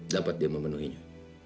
dapat dia memenuhinya